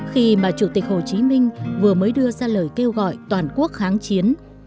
khi mà chủ tịch hồ chí minh vừa mới đưa ra lời kêu gọi toàn quốc kháng chiến